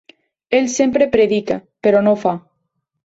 Ell sempre predica, però no fa.